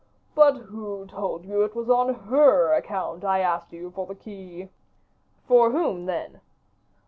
"But who told you it was on her account I asked you for the key?" "For whom, then?"